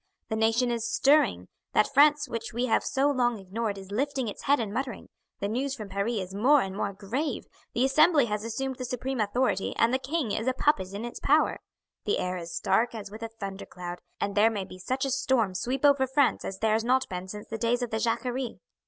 The nation is stirring; that France which we have so long ignored is lifting its head and muttering; the news from Paris is more and more grave. The Assembly has assumed the supreme authority, and the king is a puppet in its power. The air is dark as with a thunder cloud, and there may be such a storm sweep over France as there has not been since the days of the Jacquerie."